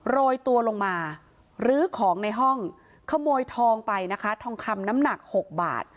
โรยตัวลงมาลื้อของในห้องขโมยทองไปนะคะทองคำน้ำหนัก๖บาท